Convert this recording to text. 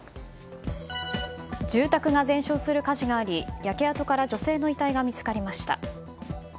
住宅が全焼する火事があり焼け跡から女性の遺体が見つかりました。